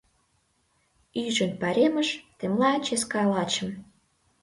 Ӱжын пайремыш, темла чес-калачым